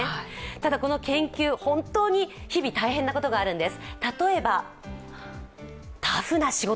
ただ、この研究、本当に日々大変なことがあるんです。